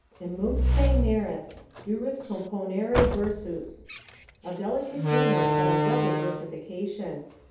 "Emunctae naris, durus componere versus." ["Of delicate humour, but of rugged versification."